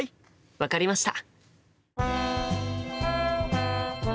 分かりました！